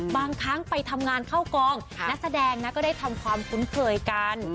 บางครั้งไปทำงานเข้ากองนักแสดงนะก็ได้ทำความคุ้นเคยกัน